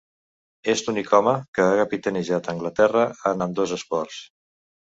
És l'únic home que ha capitanejat Anglaterra en ambdós esports.